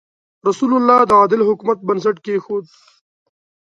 رسول الله د عادل حکومت بنسټ کېښود.